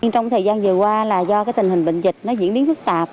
trong thời gian vừa qua là do tình hình bệnh dịch nó diễn biến thức tạp